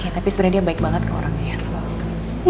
ya tapi sebenernya dia baik banget ke orangnya